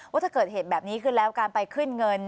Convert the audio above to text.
ว่าถ้าเกิดเหตุแบบนี้ขึ้นแล้วการไปขึ้นเงิน